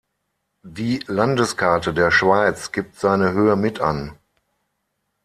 Die Landeskarte der Schweiz gibt seine Höhe mit an.